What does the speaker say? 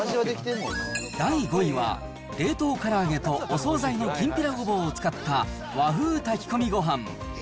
第５位は、冷凍から揚げとお総菜のきんぴらごぼうを使った和風炊き込みご飯。